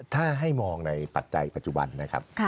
ถ้าให้มองในปัจจัยปัจจุบันนะครับ